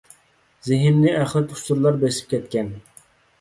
زېھىننى ئەخلەت ئۇچۇرلار بېسىپ كەتكەن.